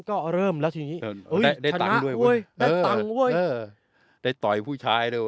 ก็เริ่มแล้วทีนี้ได้ต่างด้วยได้ต่างด้วยได้ต่อยผู้ชายด้วย